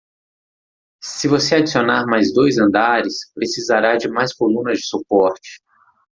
Se você adicionar mais dois andares?, precisará de mais colunas de suporte.